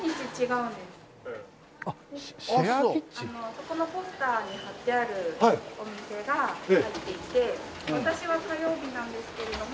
そこのポスターに貼ってあるお店が入っていて私は火曜日なんですけれども。